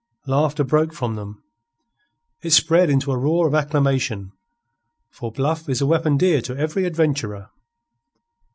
Laughter broke from them. It spread into a roar of acclamation; for bluff is a weapon dear to every adventurer.